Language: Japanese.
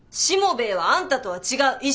しもべえはあんたとは違う。